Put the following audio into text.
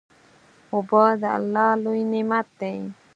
اوبه د الله لوی نعمت دی.